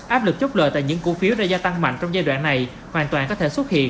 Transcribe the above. áp lực chốc lợi tại những cụ phiếu ra gia tăng mạnh trong giai đoạn này hoàn toàn có thể xuất hiện